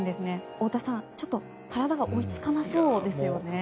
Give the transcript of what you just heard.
太田さん、ちょっと体が追いつかなさそうですよね。